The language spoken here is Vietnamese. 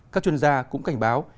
các chuyên gia cũng cảnh báo